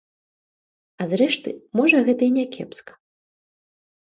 А, зрэшты, можа, гэта і някепска.